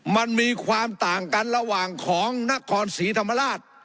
มันมีความต่างกันระหว่างของนครศรีธรรมราช